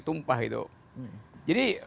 tumpah itu jadi